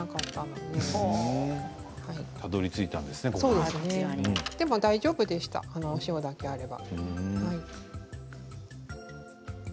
でも大丈夫でしたお塩だけあれば。